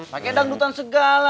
pakai dangdutan segala